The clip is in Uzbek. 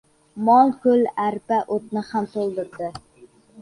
• Mo‘l-ko‘l arpa otni ham o‘ldiradi.